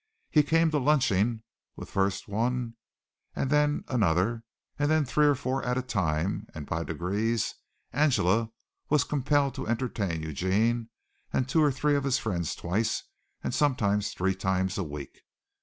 He came to lunching with first one and then another, then three or four at a time; and by degrees Angela was compelled to entertain Eugene and two or three of his friends twice and sometimes three times a week.